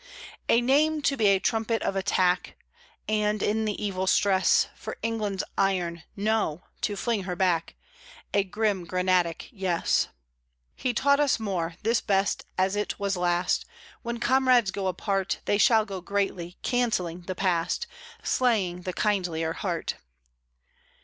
A name to be a trumpet of attack; And, in the evil stress, For England's iron No! to fling her back A grim granatic Yes. He taught us more, this best as it was last: When comrades go apart They shall go greatly, cancelling the past, Slaying the kindlier heart.